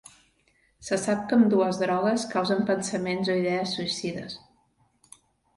Se sap que ambdues drogues causen pensaments o idees suïcides.